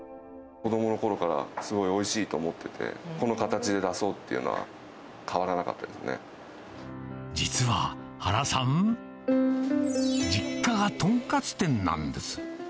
子どものころからすごいおいしいと思ってて、この形で出そうっていうのは、変わらなかったで実は原さん、実家がとんかつ店なんです。